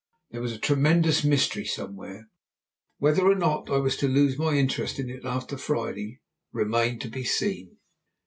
There was a tremendous mystery somewhere. Whether or not I was to lose my interest in it after Friday remained to be seen.